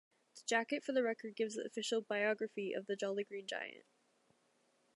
The jacket for the record gives the official "biography" of the Jolly Green Giant.